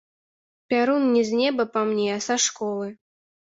Пярун не з неба па мне, а са школы.